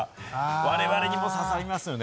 我々にも刺さりますよね。